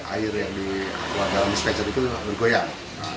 air yang di luar dalam desa tersebut bergoyang